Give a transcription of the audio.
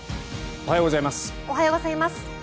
おはようございます。